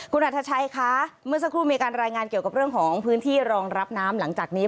คุณอัธชัยคะเมื่อสักครู่มีการรายงานเกี่ยวกับเรื่องของพื้นที่รองรับน้ำหลังจากนี้